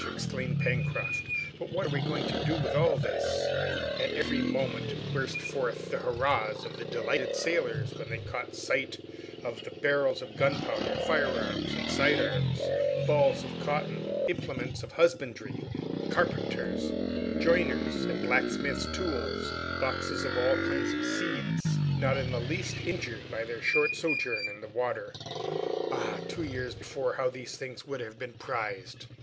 exclaimed Pencroft, "But what are we going to do with all this?" And every moment burst forth the hurrahs of the delighted sailor when he caught sight of the barrels of gunpowder, firearms and sidearms, balls of cotton, implements of husbandry, carpenter's, joiner's, and blacksmith's tools, and boxes of all kinds of seeds, not in the least injured by their short sojourn in the water. Ah, two years before, how these things would have been prized!